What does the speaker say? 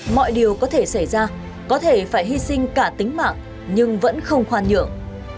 mọi điều có thể xảy ra có thể phải hy sinh cả tính mạng nhưng vẫn không khoan nhượng